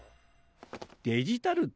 デジタルト？